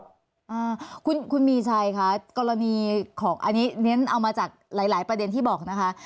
อ่าคุณคุณมีชัยคะกรณีของอันนี้เรียนเอามาจากหลายหลายประเด็นที่บอกนะคะ